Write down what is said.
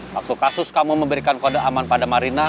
waktu kasus kamu memberikan kode aman pada marina